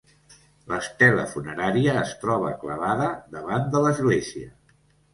L'estela funerària es troba clavada davant de l'església.